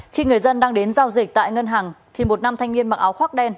khi người dân đang đến giao dịch tại ngân hàng thì một nam thanh niên mặc áo khoác đen